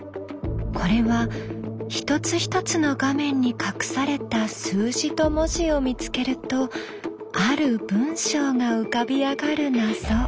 これは一つ一つの画面に隠された数字と文字を見つけるとある文章が浮かび上がる謎。